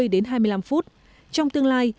hai mươi đến hai mươi năm phút trong tương lai